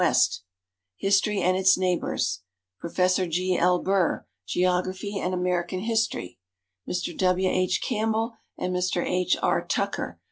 West; "History and Its Neighbors," Prof. G. L. Burr; "Geography and American History," Mr. W. H. Campbell and Mr. H. R. Tucker.